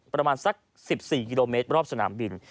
ประมาณสัก๑๔กิโลเมตรรอบสนามบิน